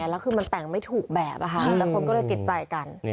แล้วคือมันแต่งไม่ถูกแบบแล้วคนก็เลยติดใจกัน